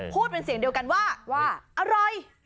พูดเป็นเสียงเดียวกันว่าอร่อย